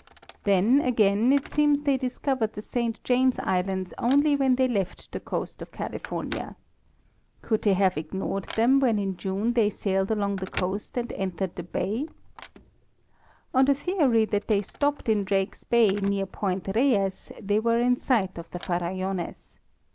Then, again, it seems they discovered the Saint James islands only when they left, the coast of California. Could they have os Loe. cit. California represented as an Island. 213 ignored them when in June they sailed along the coast and entered the bay? On the theory that they stopped in Drakes bay near point: Reyes, they were in sight of the Farallones.